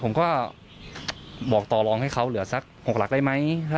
ผมก็บอกต่อรองให้เขาเหลือสัก๖หลักได้ไหม